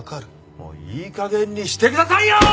もういい加減にしてくださいよ！